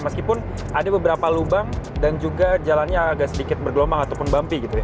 meskipun ada beberapa lubang dan juga jalannya agak sedikit bergelombang ataupun bumpy gitu ya